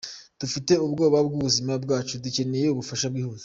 Dufite ubwoba bw’ubuzima bwacu, dukeneye ubufasha bwihuse.